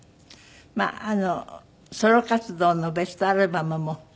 まあソロ活動のベストアルバムも作ったり。